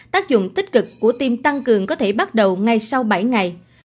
tác dụng tích cực của tim tăng cường có thể bắt đầu ngay sau bảy ngày